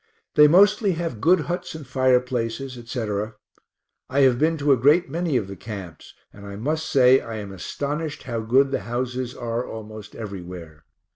They mostly have good huts and fireplaces, etc. I have been to a great many of the camps, and I must say I am astonished [how] good the houses are almost everywhere.